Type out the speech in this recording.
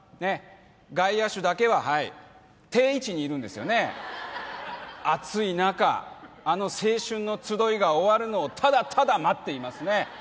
外野手だけははい定位置にいるんですよね暑い中あの青春の集いが終わるのをただただ待っていますね